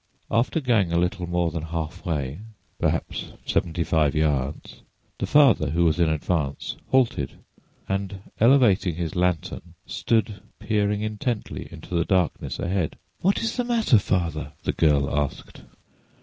After going a little more than half way—perhaps seventy five yards—the father, who was in advance, halted, and elevating his lantern stood peering intently into the darkness ahead. "What is the matter, father?" the girl asked.